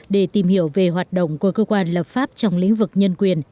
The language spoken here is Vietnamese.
để tìm hiểu về hoạt động của cơ quan lập pháp trong lĩnh vực nhân quyền